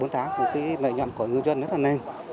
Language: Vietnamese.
bốn tháng thì cái lợi nhuận của người dân rất là nền